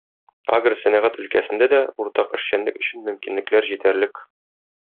Агросәнәгать өлкәсендә дә уртак эшчәнлек өчен мөмкинлекләр җитәрлек.